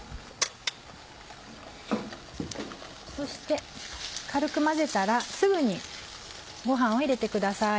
そして軽く混ぜたらすぐにご飯を入れてください。